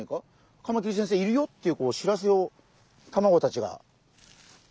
カマキリ先生いるよっていう知らせをたまごたちが。